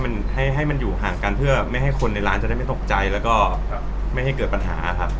มันให้ให้มันอยู่ห่างกันเพื่อไม่ให้คนในร้านจะได้ไม่ตกใจแล้วก็ไม่ให้เกิดปัญหาครับ